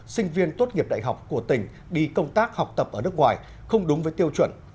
sinh viên tốt nghiệp đại học của tỉnh đi công tác học tập ở nước ngoài không đúng với tiêu chuẩn